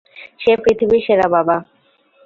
সে পৃথিবীর সেরা বাবা।